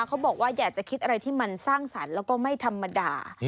เขาบอกว่าอยากจะคิดอะไรที่มันสร้างสรรค์แล้วก็ไม่ธรรมดา